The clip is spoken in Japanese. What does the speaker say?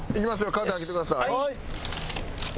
カーテン開けてください。